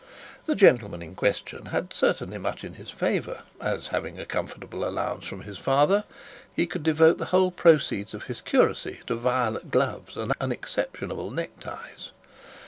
The gentleman in question had certainly much in his favour, as, having a comfortable allowance from his father, he could devote the whole proceeds of his curacy to violet gloves and unexceptionable neck ties.